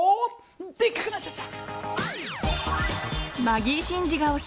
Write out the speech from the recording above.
でっかくなっちゃった！